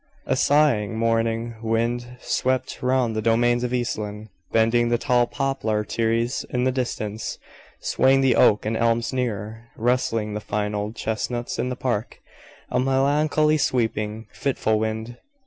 A sighing morning wind swept round the domains of East Lynne, bending the tall poplar trees in the distance, swaying the oak and elms nearer, rustling the fine old chestnuts in the park, a melancholy, sweeping, fitful wind.